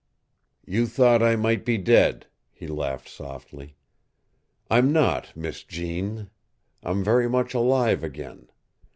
"You thought I might be dead," he laughed softly. "I'm not, Miss Jeanne. I'm very much alive again.